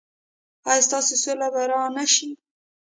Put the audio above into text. ایا ستاسو سوله به را نه شي؟